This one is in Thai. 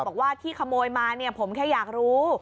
บอกว่าที่ขโมยมาเนี่ยผมแค่อยากรู้